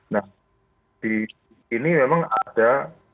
nah di sini memang ada